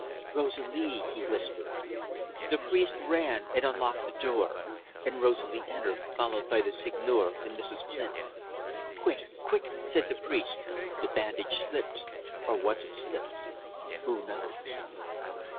"Rosalie " he whispered. The priest ran and unlocked the door, and Rosalie entered, followed by the Seigneur and Mrs. Flynn. "Quick! Quick!" said the priest. "The bandage slipped." The bandage slipped or was it slipped? Who knows!